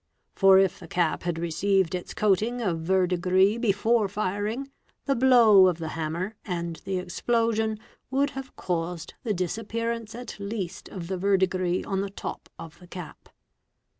For f the cap had received its coating of verdigris before firing, the blow of he hammer and the explosion would have caused the disappearance at east of the verdigris on the top of the cap.